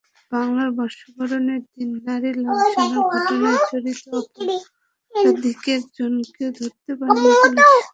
বাংলা বর্ষবরণের দিন নারী লাঞ্ছনার ঘটনায় জড়িত অপরাধীদের একজনকেও ধরতে পারেনি পুলিশ।